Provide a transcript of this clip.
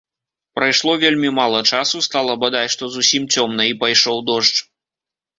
Прайшло вельмі мала часу, стала бадай што зусім цёмна, і пайшоў дождж.